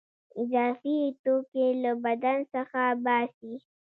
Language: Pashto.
اضافي توکي له بدن څخه باسي.